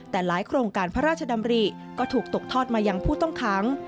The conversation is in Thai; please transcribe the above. แต่หลายโครงการพระราชดำริก็ถูกตกทอดมายังผู้ต้องขัง